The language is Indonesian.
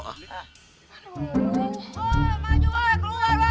maju lah keluar woi